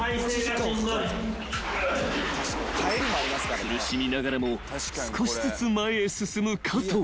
［苦しみながらも少しずつ前へ進む加藤］